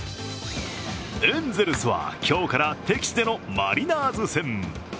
エンゼルスは今日から敵地でのマリナーズ戦。